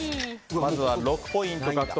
まずは６ポイント獲得。